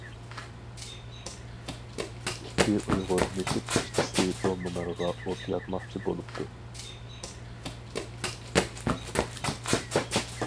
ئىككى ئۇيغۇر نېفىت ئىشچىسى بىر مۇنارغا ئوت ياقماقچى بولۇپتۇ.